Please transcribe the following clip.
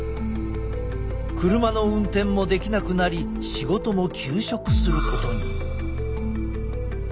車の運転もできなくなり仕事も休職することに。